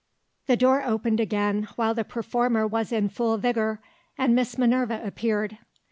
The door opened again while the performer was in full vigour and Miss Minerva appeared.